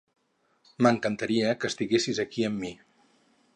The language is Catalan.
M'encantaria que estiguessis aquí amb mi!